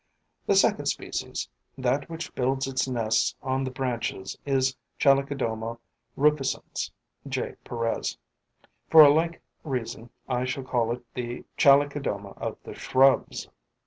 The second species, that which builds its nests on the branches, is Chalicodoma rufescens, J. PEREZ. For a like reason, I shall call it the Chalicodoma of the Shrubs.